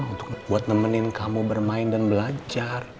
untuk buat nemenin kamu bermain dan belajar